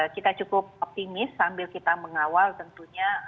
kita cukup optimis sambil kita mengawal tentunya